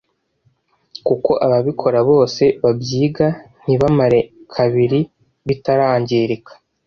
kuko ababikora bose babyigana ntibimare kabiri bitarangirika